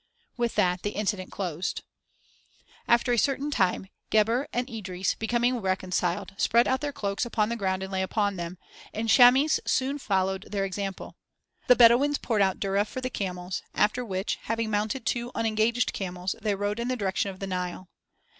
With that the incident closed. After a certain time Gebhr and Idris, becoming reconciled, spread out their cloaks upon the ground and lay upon them, and Chamis soon followed their example. The Bedouins poured out durra for the camels, after which, having mounted two unengaged camels, they rode in the direction of the Nile.